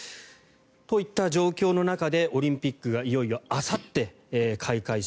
といった状況の中でオリンピックがいよいよあさって開会式。